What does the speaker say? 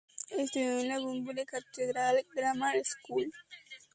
Estudió en la Bunbury Cathedral Grammar School.